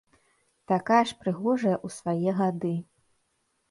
Такая ж прыгожая ў свае гады.